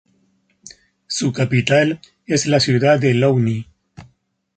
Su capital es la ciudad de Louny.